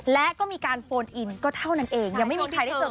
และก็มีการโฟนอินก็เท่านั้นเองยังไม่มีใครได้เจอ